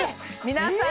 皆さん